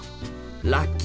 ラッキー！